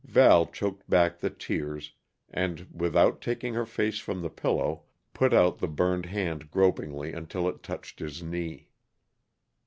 Val choked back the tears, and, without taking her face from the pillow, put out the burned hand gropingly until it touched his knee.